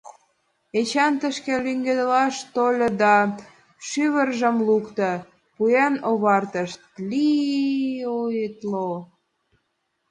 Эчан тышке лӱҥгедылаш тольо да шӱвыржым лукто, пуэн овартыш: тли-ин-тло-о-о!